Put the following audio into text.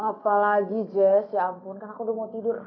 apa lagi jess ya ampun kan aku udah mau tidur